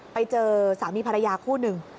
ไปเจอสามีภรรยาคู่หนึ่ง